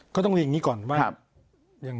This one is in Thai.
ก็ต้องเรียงอย่างนี้ก่อน